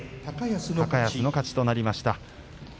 高安の勝ちとなりました。